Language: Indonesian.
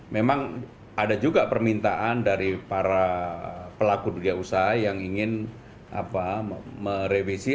memang ada juga permintaan dari para pelaku dunia usaha yang ingin merevisi